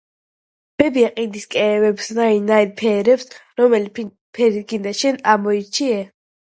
ბებია ყიდის კევებს ნაირ ნაირ ფერებს რომელი ფერიც გინდა ამოირჩიე